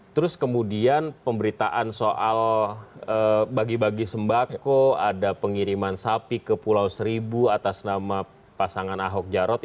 terus kemudian pemberitaan soal bagi bagi sembako ada pengiriman sapi ke pulau seribu atas nama pasangan ahok jarot